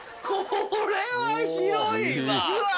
これは広いわ！